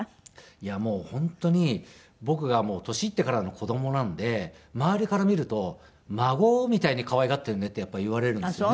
いやもう本当に僕が年いってからの子供なので周りから見ると孫みたいに可愛がってるねってやっぱり言われるんですね。